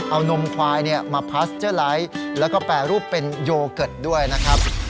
เอานมควายมาพาสเจอร์ไลท์แล้วก็แปรรูปเป็นโยเกิร์ตด้วยนะครับ